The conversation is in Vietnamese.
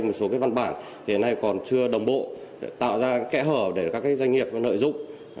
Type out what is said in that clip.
một số văn bản hiện nay còn chưa đồng bộ tạo ra kẽ hở để các doanh nghiệp nợ dụng